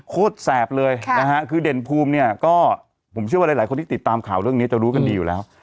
โคตรแสบเลยนะฮะคือเด่นภูมิเนี่ยก็ผมเชื่อว่าหลายคนที่ติดตามข่าวเรื่องนี้จะรู้กันดีอยู่แล้ว